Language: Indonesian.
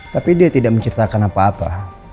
tapi dia tidak menceritakan apa apa